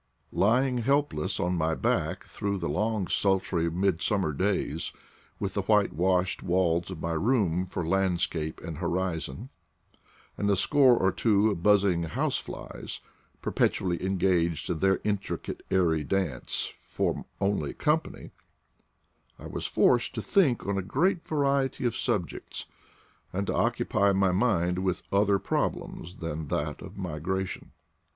Lying helpless on my back through the long sultry midsummer days, with the white washed walls of my room for landscape and horizon, and a score or two of buz zing house flies, perpetually engaged in their in tricate airy dance, for only company, I was forced to think on a great variety of subjects, and to 18 HOW I BECAME AN IDLEE 19 occupy my mind with other problems than that of migration.